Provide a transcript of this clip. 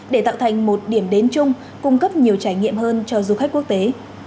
để tạo thành một điểm đến chung cung cấp nhiều trải nghiệm hơn cho du khách quốc tế